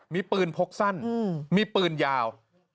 มีปืนพกสั้นมีปืนยาว